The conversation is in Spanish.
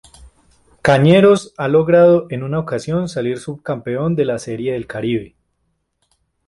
Cañeros ha logrado en una ocasión salir subcampeón de la Serie del Caribe.